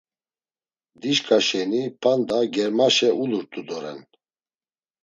Dişka şeni p̌anda germaşe ulurt̆u doren.